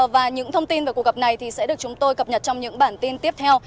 và những thông tin về cuộc gặp này sẽ được chúng tôi cập nhật trong những bản tin tiếp theo